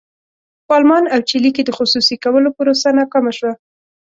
په المان او چیلي کې د خصوصي کولو پروسه ناکامه شوه.